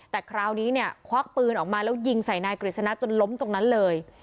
แต่คราวนี้เนี่ยควักปืนออกมาแล้วยิงใส่นายกฤษณะจนล้มตรงนั้นเลย